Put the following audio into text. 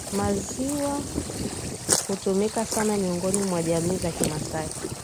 Maziwa hutumika sana miongoni mwa jamii za kimasai